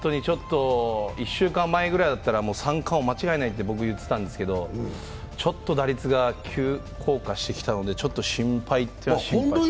１週間前くらいだったら三冠王、間違いないと言ってたんですけどちょっと打率が急降下してきたので心配といえば心配。